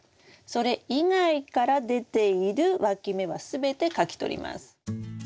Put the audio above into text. それ以外から出ているわき芽は全てかき取ります。